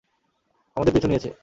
আমাদের পিছু নিয়েছে!